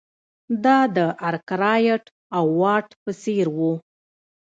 دا د ارکرایټ او واټ په څېر وو.